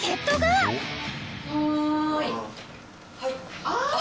はい。